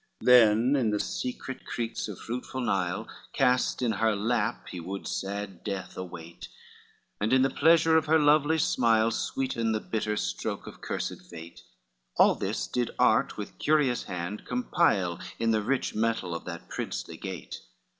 VII Then in the secret creeks of fruitful Nile, Cast in her lap, he would sad death await, And in the pleasure of her lovely smile Sweeten the bitter stroke of cursed fate: All this did art with curious hand compile In the rich metal of that princely gate.